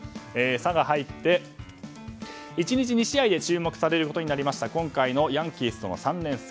「サ」が入って、１日２試合で注目されることになった今回のヤンキースとの３連戦。